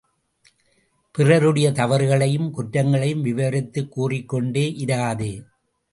பிறருடைய தவறுகளையும், குற்றங்கனையும் விவரித்துக் கூறிக்கொண்டே இராதே.